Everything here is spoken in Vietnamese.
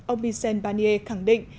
ông vincent barnier khẳng định